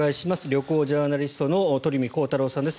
旅行ジャーナリストの鳥海高太朗さんです。